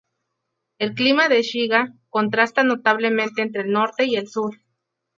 El clima de Shiga contrasta notablemente entre el norte y el sur.